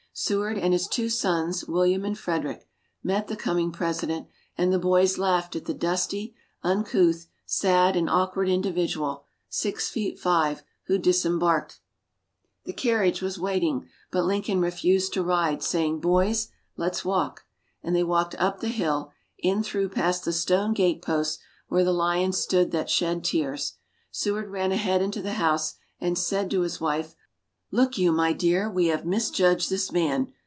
Seward and his two sons William and Frederick met the coming President, and the boys laughed at the dusty, uncouth, sad and awkward individual, six feet five, who disembarked. The carriage was waiting, but Lincoln refused to ride, saying, "Boys, let's walk," and so they walked up the hill, in through past the stone gateposts where the lions stood that shed tears. Seward ran ahead into the house and said to his wife: "Look you, my dear, we have misjudged this man.